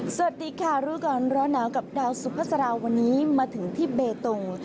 สวัสดีค่ะรู้ก่อนร้อนหนาวกับดาวสุภาษาราวันนี้มาถึงที่เบตง